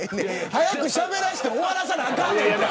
早くしゃべらせて終わらせなあかんねん。